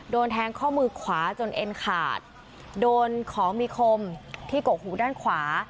โดนแทงข้อมือขวาจนเอ็นขาดโดนของมีคมที่กกหูด้านขวา